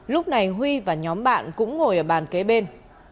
lúc này huy và nhóm bạn cũng ngồi ở bàn kế bên